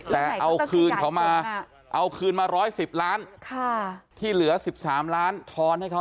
แต่เอาคืนมา๑๑๐ล้านที่เหลือ๑๓ล้านทอนให้เข้า